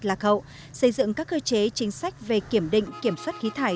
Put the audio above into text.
lạc hậu xây dựng các cơ chế chính sách về kiểm định kiểm soát khí thải